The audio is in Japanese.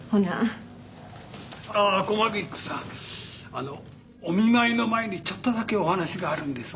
あのお見舞いの前にちょっとだけお話があるんですが。